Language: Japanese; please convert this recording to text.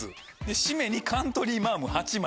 締めにカントリーマアム８枚。